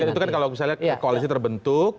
itu kan kalau misalnya koalisi terbentuk